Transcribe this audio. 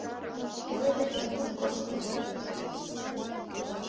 Пеледыш пеледме годымжо дыр